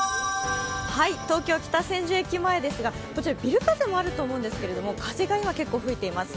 東京・北千住駅前ですがこちらビル風もあると思うんですけど、結構吹いています。